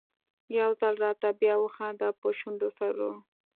يو ځل راته بیا وخانده په شونډو سرو